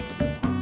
terima kasih bang